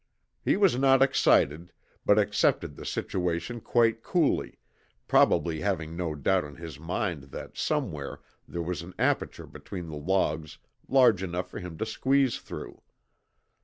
He was not excited, but accepted the situation quite coolly, probably having no doubt in his mind that somewhere there was an aperture between the logs large enough for him to squeeze through.